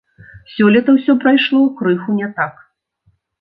Сёлета ўсё прайшло крыху не так.